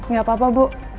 gak apa apa bu